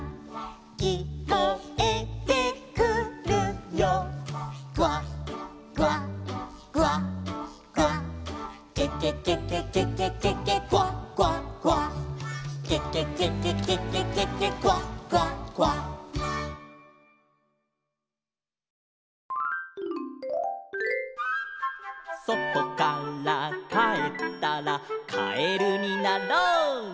「きこえてくるよ」「クワクワクワクワ」「ケケケケケケケケクワクワクワ」「ケケケケケケケケクワクワクワ」「そとからかえったらカエルになろう」